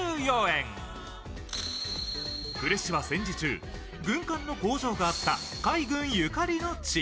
呉市は戦時中、軍艦の工場があった海軍ゆかりの地。